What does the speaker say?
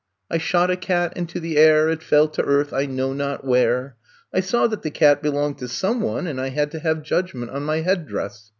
I shot a cat into the air, It fell to earth, I know not where. I saw that the cat belonged to some one and I had to have judgment on my head dress.